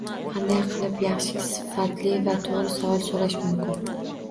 Qanday qilib yaxshi, sifatli va to’g’ri savol so’rash mumkin